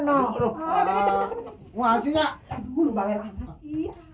banget sih ya dulu balik lagi